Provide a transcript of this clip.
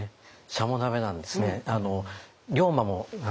しゃも鍋なんですね。